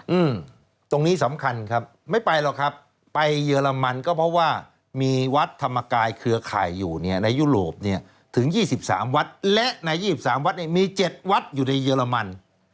อืมตรงนี้สำคัญครับไม่ไปหรอกครับไปเยอรมันก็เพราะว่ามีวัดธรรมกายเครือข่ายอยู่เนี่ยในยุโรปเนี่ยถึงยี่สิบสามวัดและในยี่สิบสามวัดเนี่ยมีเจ็ดวัดอยู่ในเรมัน